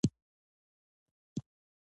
پښتو باید د ټولو افغانانو ژبه وي.